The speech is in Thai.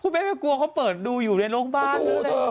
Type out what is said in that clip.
แม่ไม่กลัวเขาเปิดดูอยู่ในโรงบ้าน